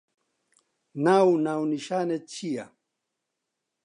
ناو و ناونیشانت چییە؟